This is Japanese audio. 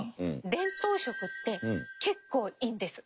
伝統食って結構いいんです。